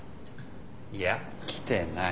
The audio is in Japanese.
いや来てない。